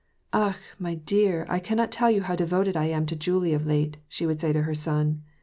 " Akh ! my dear, I cannot tell you how devoted I am to Julie of late," she would say to her son.